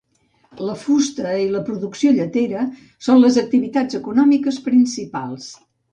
La fusta i la producció lletera són les activitats econòmiques principals.